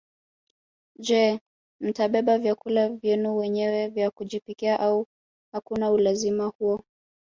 Je mtabeba vyakula vyenu wenyewe vya kujipikia au hakuna ulazima huo